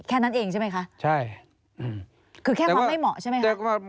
แค่นั้นเองใช่ไหมคะใช่คือแค่ความไม่เหมาะใช่ไหมคะ